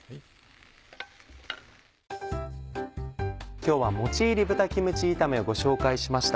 今日は「もち入り豚キムチ炒め」をご紹介しました。